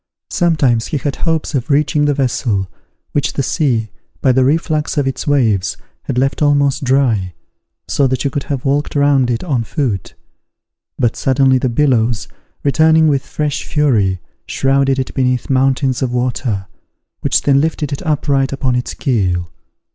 Sometimes he had hopes of reaching the vessel, which the sea, by the reflux of its waves, had left almost dry, so that you could have walked round it on foot; but suddenly the billows, returning with fresh fury, shrouded it beneath mountains of water, which then lifted it upright upon its keel.